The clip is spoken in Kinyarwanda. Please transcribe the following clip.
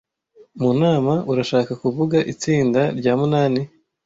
Mu nama, urashaka kuvuga itsinda rya munani?